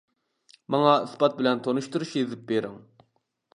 ماڭا ئىسپات بىلەن تونۇشتۇرۇش يېزىپ بېرىڭ.